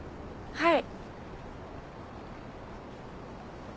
はい。